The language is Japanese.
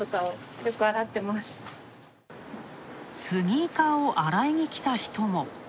スニーカーを洗いにきた人も。